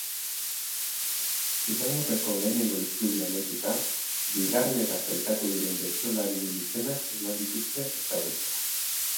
Finalaurrekoetako lehenengo itzulia amaituta, bigarrenera sailkatu diren bertsolarien izenak eman dituzte ezagutzera.